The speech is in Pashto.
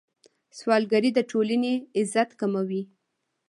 سوالګري د ټولنې عزت کموي.